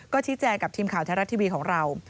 ชี้แจงกับทีมข่าวแท้รัฐทีวีของเรา